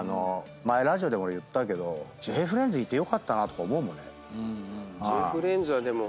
前ラジオで俺言ったけどＪ−ＦＲＩＥＮＤＳいてよかったなとか思うもんね。